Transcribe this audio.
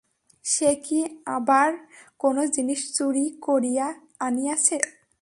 সে কি আবার কোন জিনিস চুরি করিয়া আনিয়াছে?